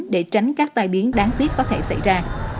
để tránh các tai biến đáng tiếc có thể xảy ra